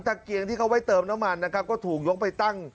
แต่เกียงที่เขาไว้เติมน้ำมันก็ถูกยกไปตั้ง